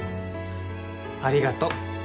ありがとう。